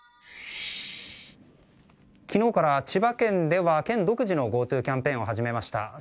昨日から千葉県では県独自のＧｏＴｏキャンペーンが始まりました。